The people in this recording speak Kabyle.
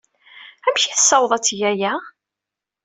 Amek ay tessaweḍ ad teg aya?